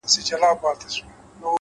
هره ننګونه د پټې ځواک ازموینه ده!